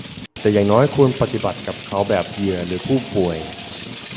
แต่อย่างน้อยควรปฏิบัติกับเขาแบบเหยื่อหรือผู้ป่วย